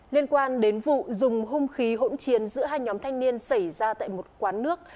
liên quan đến vụ dùng hung khí hỗn chiến giữa hai nhóm thanh niên xảy ra tại một quán nước